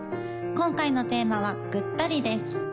今回のテーマは「ぐったり」です